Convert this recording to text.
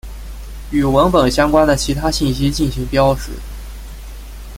与文本相关的其他信息进行标识。